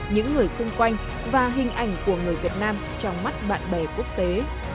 những người xung quanh và hình ảnh của người việt nam trong mắt bạn bè quốc tế